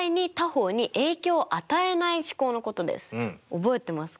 覚えてますか？